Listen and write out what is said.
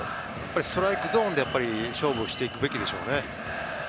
ストライクゾーンで勝負していくべきでしょうね。